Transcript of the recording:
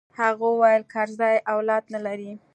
هغه وويل کرزى اولاد نه لري.